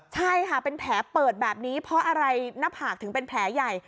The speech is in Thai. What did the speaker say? ใช่ค่ะเป็นแผลเปิดแบบนี้เพราะอะไรหน้าผากถึงเป็นแผลใหญ่